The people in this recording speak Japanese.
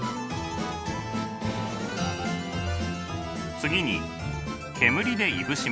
次に煙でいぶします。